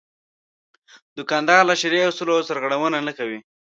دوکاندار له شرعي اصولو سرغړونه نه کوي.